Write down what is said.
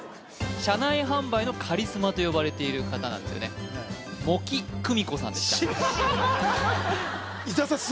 車内販売のカリスマと呼ばれている方なんですね茂木久美子さんでした伊沢さん